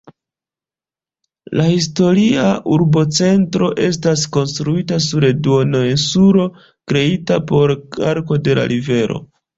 La historia urbocentro estas konstruita sur duoninsulo kreita per arko de la rivero.